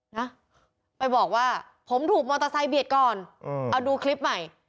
นะไปบอกว่าผมถูกมอเตอร์ไซค์เบียดก่อนอืมเอาดูคลิปใหม่